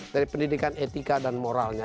dari pendidikan etika dan moralnya